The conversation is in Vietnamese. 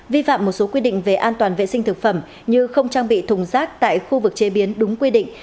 vi phạm một số quy định về an toàn vệ sinh thực phẩm như không trang bị thùng rác tại khu vực chế biến đúng quy định